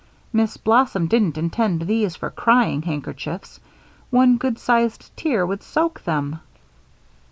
Miss Blossom didn't intend these for crying handkerchiefs one good sized tear would soak them."